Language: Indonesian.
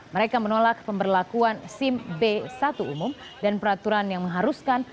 mereka menolak pemberlakuan sim b satu umum dan peraturan yang mengharuskan